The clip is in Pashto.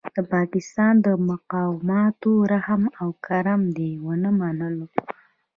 د پاکستان د مقاماتو رحم او کرم دې ونه منلو.